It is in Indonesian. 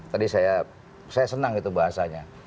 tadi saya senang itu bahasanya